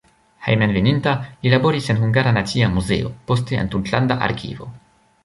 Hejmenveninta li laboris en Hungara Nacia Muzeo, poste en tutlanda arkivo.